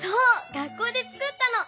学校でつくったの。